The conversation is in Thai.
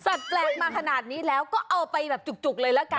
แปลกมาขนาดนี้แล้วก็เอาไปแบบจุกเลยละกัน